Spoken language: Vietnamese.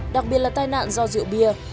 đặc biệt là tai nạn do rượu bia